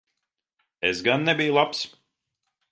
Es gan nebiju labs.